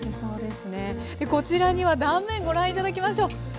こちらには断面ご覧頂きましょう。